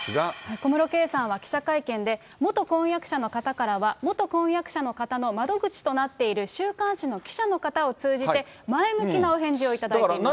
小室圭さんは記者会見で元婚約者の方からは、元婚約者の方の窓口となっている週刊誌の記者の方を通じて、前向きなお返事を頂いています。